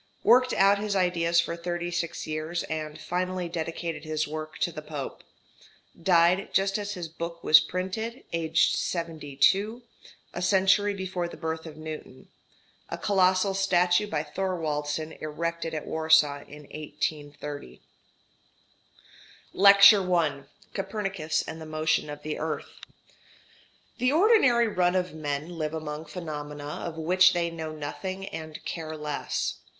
Worked out his ideas for 36 years, and finally dedicated his work to the Pope. Died just as his book was printed, aged 72, a century before the birth of Newton. A colossal statue by Thorwaldsen erected at Warsaw in 1830. PIONEERS OF SCIENCE LECTURE I COPERNICUS AND THE MOTION OF THE EARTH The ordinary run of men live among phenomena of which they know nothing and care less.